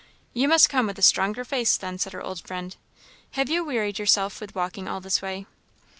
"You must come with a stronger face, then," said her old friend; "have you wearied yourself with walking all this way?"